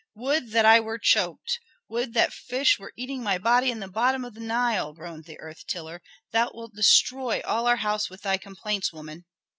'" "Would that I were choked! would that fish were eating my body in the bottom of the Nile!" groaned the earth tiller. "Thou wilt destroy all our house with thy complaints, woman."